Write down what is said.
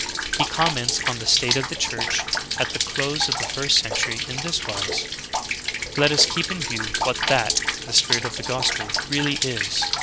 He comments on the state of the Church at the close of the first century in this v»'ise : "Let us keep I in view what that [the spirit of the gospel] really is.